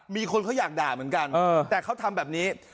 มีคนเขาอยากด่าเหมือนกันแต่เขาทำแบบนี้